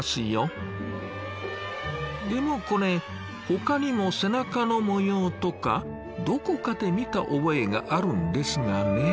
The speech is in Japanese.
でもこれほかにも背中の模様とかどこかで見た覚えがあるんですがね。